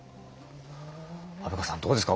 虻川さんどうですか？